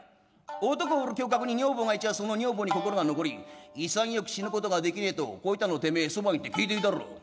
男を売る侠客に女房がいちゃあその女房に心が残り潔く死ぬことができねえとこう云ったのを手前え傍にいて聞いていたろう。